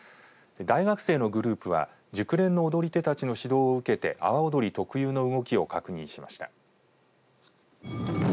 大学生のグループは熟練の踊り手たちの指導を受けて阿波おどり特有の動きを確認しました。